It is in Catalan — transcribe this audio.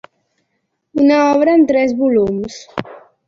Una obra en tres volums.